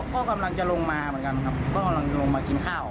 ก็กำลังจะลงมาเหมือนกันครับก็กำลังจะลงมากินข้าว